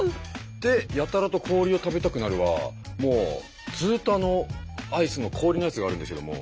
で「やたらと氷を食べたくなる」はもうずっとアイスの氷のやつがあるんですけども。